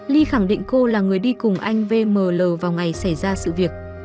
ly khẳng định cô là người đi cùng anh vml vào ngày xảy ra sự việc